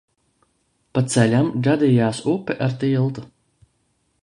Pa ceļam gadījās upe ar tiltu.